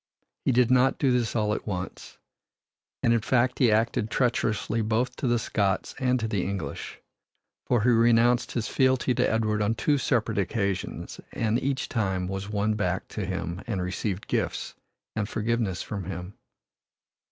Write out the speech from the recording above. He did not do this all at once, and, in fact, he acted treacherously both to the Scots and to the English for he renounced his fealty to Edward on two separate occasions, and each time was won back to him and received gifts and forgiveness from him.